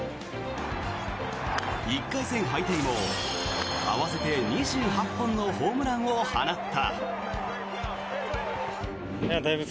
１回戦敗退も合わせて２８本のホームランを放った。